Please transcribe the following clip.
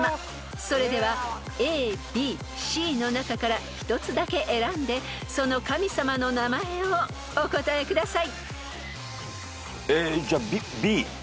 ［それではＡＢＣの中から１つだけ選んでその神様の名前をお答えください］